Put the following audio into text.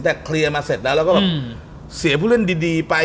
แต่เคลียร์มาเสร็จแล้วเสียผู้เล่นดีไป